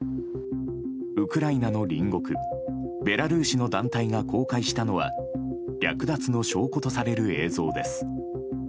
ウクライナの隣国ベラルーシの団体が公開したのは略奪の証拠とされる映像です。